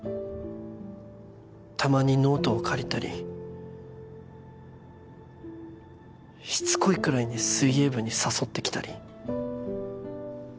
たまにノートを借りたりしつこいくらいに水泳部に誘ってきたり